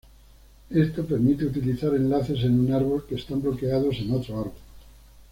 Esto permite utilizar enlaces en un árbol que están bloqueados en otro árbol.